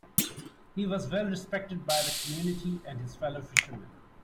He was well respected by the community, and his fellow fishermen.